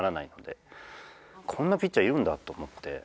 こんなピッチャーいるんだと思って。